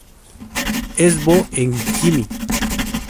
Es bo en jimi!!